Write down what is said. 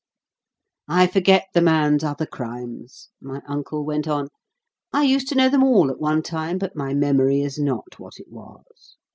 "I forget the man's other crimes," my uncle went on; "I used to know them all at one time, but my memory is not what it was.